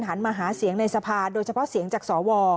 หันมาหาเสียงในสภาโดยเฉพาะเสียงจากสว